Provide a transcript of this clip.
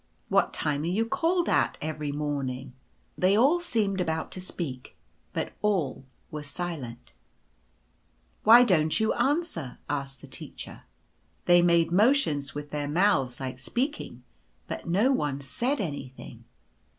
" What time are you called at every morning ?" They all seemed about to speak, but all were silent. cc Why don't you answer ?" asked the Teacher. They made motions with their mouths like speaking, but no one said anything.